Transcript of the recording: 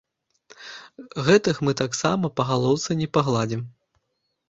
Гэтых мы таксама па галоўцы не пагладзім.